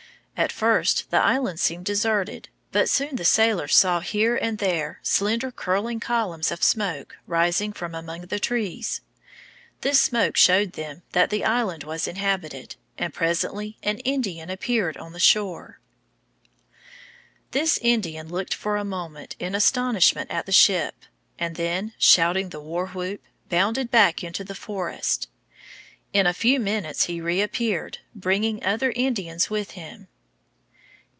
At first the island seemed deserted, but soon the sailors saw here and there slender curling columns of smoke rising from among the trees. This smoke showed them that the island was inhabited, and presently an Indian appeared on the shore. [Illustration: The Half Moon on the Hudson River.] This Indian looked for a moment in astonishment at the ship, and then, shouting the war whoop, bounded back into the forest. In a few minutes he reappeared, bringing other Indians with him.